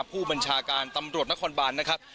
ผู้บัญชาการตำรวจนครบานนะครับ